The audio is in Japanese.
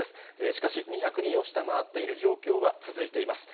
しかし、２００人を下回っている状況は続いています。